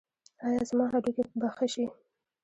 ایا زما هډوکي به ښه شي؟